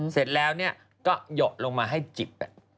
เสร็จแล้วก็หยดลงมาให้จิบ